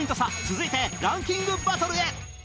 続いてランキングバトルへ